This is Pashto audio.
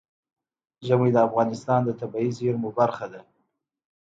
ژمی د افغانستان د طبیعي زیرمو برخه ده.